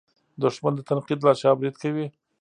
دښمن د تنقید له شا برید کوي